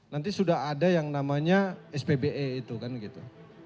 nanti sudah ada yang namanya spbe itu kan gitu